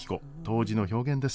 当時の表現です。